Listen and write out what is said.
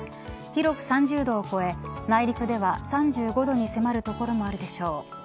広く３０度を超え内陸では３５度に迫る所もあるでしょう。